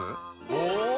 お！